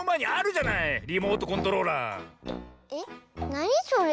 なにそれ？